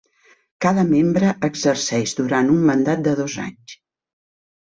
Cada membre exerceix durant un mandat de dos anys.